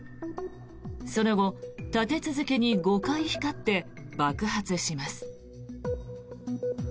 その後、立て続けに５回光って爆発します。